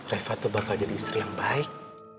reva tuh bakal jadi istri yang baik